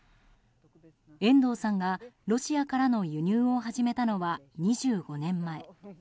遠藤さんが、ロシアからの輸入を始めたのは２５年前。